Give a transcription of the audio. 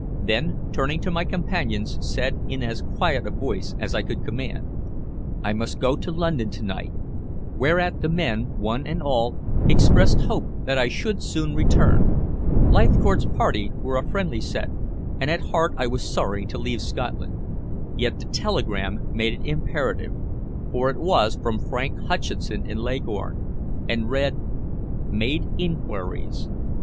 Then, turning to my companions, said in as quiet a voice as I could command "I must go up to London to night," whereat the men, one and all, expressed hope that I should soon return. Leithcourt's party were a friendly set, and at heart I was sorry to leave Scotland. Yet the telegram made it imperative, for it was from Frank Hutcheson in Leghorn, and read _"Made inquiries.